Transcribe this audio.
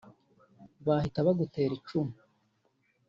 bahita bagutera icumu